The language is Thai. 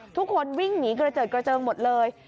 ทุกคนวิ่งหนีกระเจิดกระเจิงหมดเลย